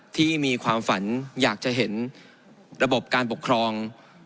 ที่มีความฝันอยากจะเห็นระบบการปกครอง